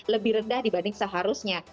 lebih rendah dibanding seharusnya